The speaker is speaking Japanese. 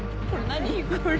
何これ。